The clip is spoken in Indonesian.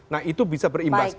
nah itu bisa berimbas